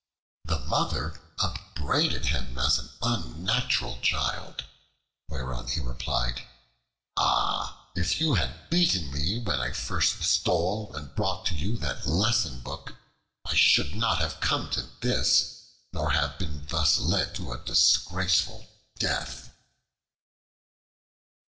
The Mother upbraided him as an unnatural child, whereon he replied, "Ah! if you had beaten me when I first stole and brought to you that lesson book, I should not have come to this, nor have been thus led to a disgraceful death."